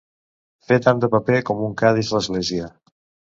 Fer tant de paper com un ca dins l'església.